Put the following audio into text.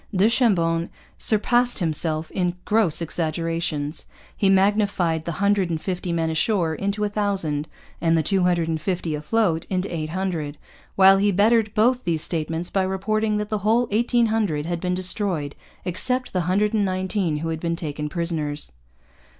Du Chambon surpassed himself in gross exaggerations. He magnified the hundred and fifty men ashore into a thousand, and the two hundred and fifty afloat into eight hundred; while he bettered both these statements by reporting that the whole eighteen hundred had been destroyed except the hundred and nineteen who had been taken prisoners.